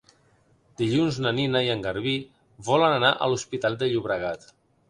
Dilluns na Nina i en Garbí volen anar a l'Hospitalet de Llobregat.